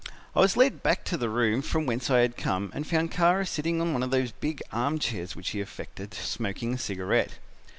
I was led back to the room from whence I had come and found Kara sitting in one of those big armchairs which he affected, smoking a cigarette.